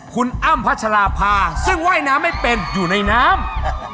คุณอ้ำพัชราภาซึ่งว่ายน้ำไม่เป็นอยู่ในน้ำ